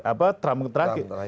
apa trump terakhir